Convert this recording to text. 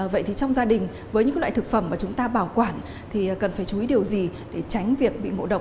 vậy thì trong gia đình với những loại thực phẩm mà chúng ta bảo quản thì cần phải chú ý điều gì để tránh việc bị ngộ độc